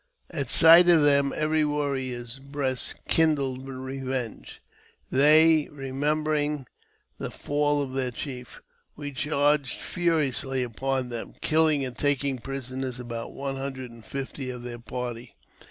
At sight of them, every warrior's breast kindled with revenge, they remembering the fall of their chief. We charged furiously ; upon them, killing and taking prisoners about one hundred and fifty of their party.